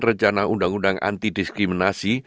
rencana undang undang anti diskriminasi